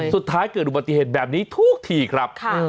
สุดท้ายเกิดอุบัติเหตุแบบนี้ทุกทีครับ